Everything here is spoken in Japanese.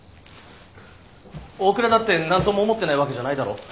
大倉だってなんとも思ってないわけじゃないだろ？